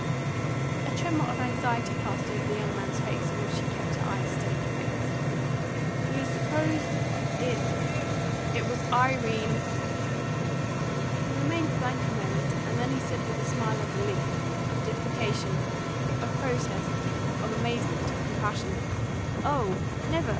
A tremor of anxiety passed over the young man's face, on which she kept her eyes steadily fixed. "We supposed it it was Irene " He remained blank a moment, and then he said with a smile of relief, of deprecation, of protest, of amazement, of compassion "OH! Never!